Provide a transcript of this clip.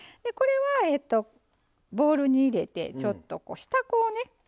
これはボウルに入れてちょっと下粉をね